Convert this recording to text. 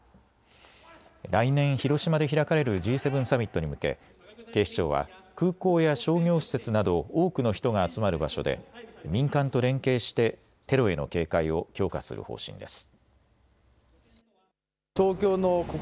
来年、広島で開かれるＧ７サミットに向け、警視庁は空港や商業施設など多くの人が集まる場所で民間と連携してテロへの警戒を強化する方針です。